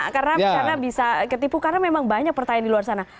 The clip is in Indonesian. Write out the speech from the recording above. karena memang banyak pertanyaan di luar sana